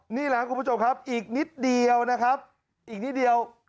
หมดคลิปหน้าคุณผู้ชมอีกนิดเดียว